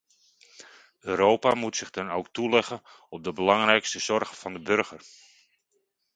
Europa moet zich dan ook toeleggen op de belangrijkste zorgen van de burger.